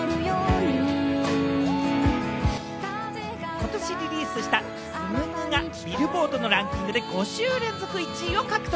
ことしリリースした『紡ぐ』がビルボードのランキングで５週連続１位を獲得。